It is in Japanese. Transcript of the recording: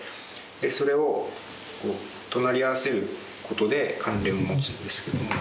それを隣り合わせることで関連を持つんですけれども。